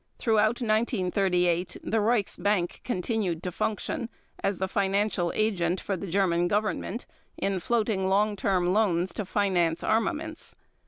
Throughout 1938 the Reichsbank continued to function, as the financial agent for the German Government in floating long term loans to finance armaments.